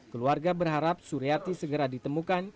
keluarga berharap suriati segera ditemukan